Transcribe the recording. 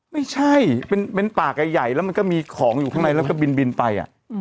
ไม่ใช่เป็นป่าใหญ่แล้วมันก็มีของอยู่ข้างในแล้วก็บินไป